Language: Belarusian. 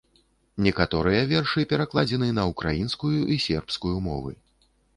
Некаторыя вершы перакладзены на украінскую і сербскую мовы.